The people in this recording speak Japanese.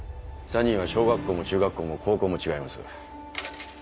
３人は小学校も中学校も高校も違います。